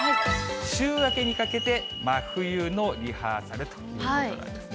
週明けにかけて、真冬のリハーサルということなんですね。